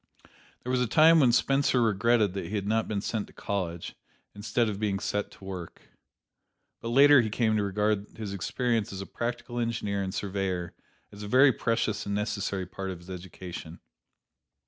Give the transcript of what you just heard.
There was a time when Spencer regretted that he had not been sent to college, instead of being set to work. But later he came to regard his experience as a practical engineer and surveyor as a very precious and necessary part of his education.